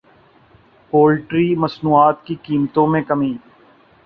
poultry مصنوعات کی قیمتوں میں کمی